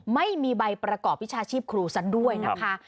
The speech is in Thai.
ไม่มีใบประกอบวิชาชีพครูซะด้วยนะคะ